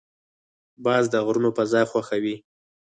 باز د غرونو فضا خوښوي